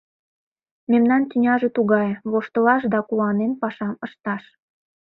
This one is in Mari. Мемнан тӱняже тугае; воштылаш да куанен пашам ышташ...